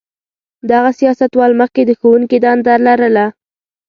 دغه سیاستوال مخکې د ښوونکي دنده لرله.